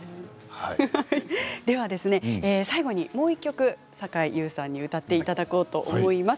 最後にもう１曲さかいゆうさんに歌っていただこうと思います。